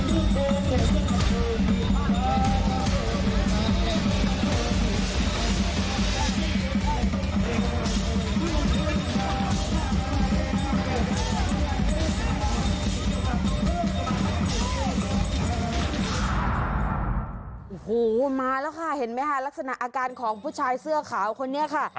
โอ้โหมาแล้วค่ะเห็นไหมคะลักษณะอาการของผู้ชายเสื้อขาวคนนี้ค่ะ